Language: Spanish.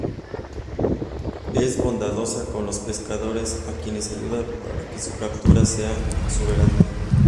Es bondadosa con los pescadores, a quienes ayuda para que su captura sea exuberante.